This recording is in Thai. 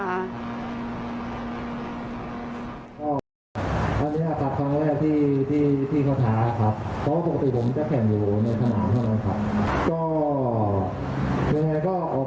อันนี้ครับคลั้งแรกที่ที่ที่เขาท้าครับ